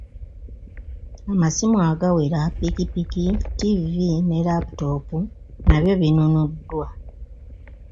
Amasimu agawera, ppikipiki, ttivi ne laputoopu nabyo binnunuddwa.